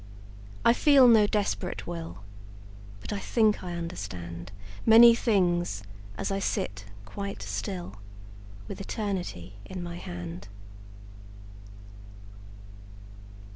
I feel no desperate will, But I think I understandMany things, as I sit quite still, With Eternity in my hand.